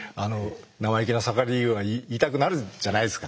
生意気な盛りには言いたくなるじゃないですか。